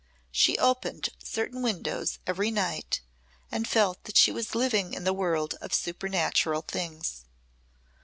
She opened certain windows every night and felt that she was living in the world of supernatural things.